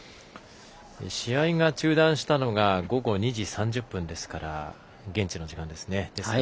試合が中断したのが午後２時３０分ですから現地の時間ですが。